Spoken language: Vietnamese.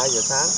từ hai giờ sáng